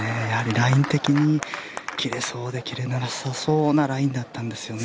ライン的に切れそうで切れなさそうなラインだったんですよね。